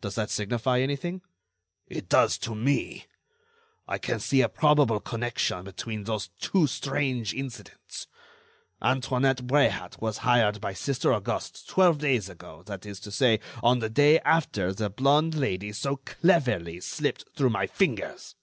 "Does that signify anything?" "It does to me. I can see a probable connection between those two strange incidents. Antoinette Bréhat was hired by Sister Auguste twelve days ago, that is to say, on the day after the blonde Lady so cleverly slipped through my fingers.